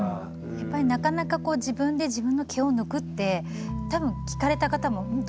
やっぱりなかなかこう自分で自分の毛を抜くってたぶん聞かれた方もん？